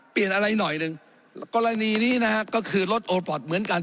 เปลี่ยนอะไรหน่อยหนึ่งกรณีนี้นะฮะก็คือรถโอปอตเหมือนกัน